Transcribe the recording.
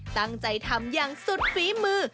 ตั้งใจทำอย่างสุดฝีมือ